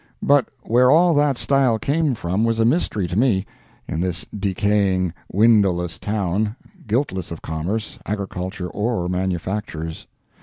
But where all that style came from was a mystery to me, in this decaying, windowless town, guiltless of commerce, agriculture, or manufactures.